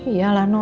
iya lah noh